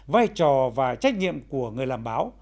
vai trò và trách nhiệm của người làm báo